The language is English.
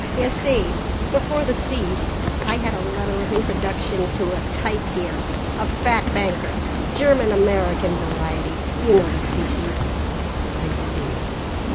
"You see, before the siege, I had a letter of introduction to a 'type' here, a fat banker, German American variety. You know the species, I see.